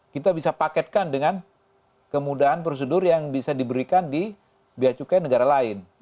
kita bisa paketkan dengan kemudahan prosedur yang bisa diberikan di bia cukai negara lain